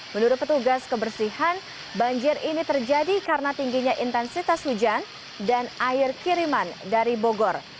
menurut petugas kebersihan banjir ini terjadi karena tingginya intensitas hujan dan air kiriman dari bogor